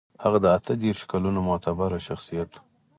هغه د اتو دېرشو کلونو معتبر شخصيت و.